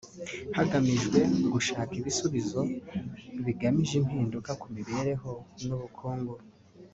hagamijwe gushaka ibisubizo bigamije impinduka ku mibereho n’ ubukungu